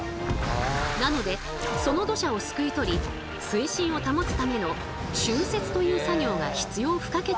なのでその土砂をすくい取り水深を保つための浚渫という作業が必要不可欠なのですが。